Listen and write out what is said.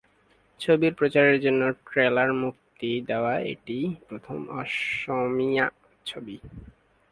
ছবির প্রচারের জন্য ট্রেলার মুক্তি দেওয়া এটি প্রথম অসমীয়া ছবি।